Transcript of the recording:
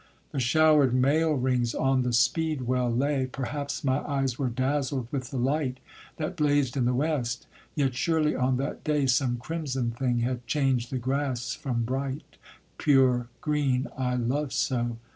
The shower'd mail rings on the speedwell lay, Perhaps my eyes were dazzled with the light That blazed in the west, yet surely on that day Some crimson thing had changed the grass from bright Pure green I love so.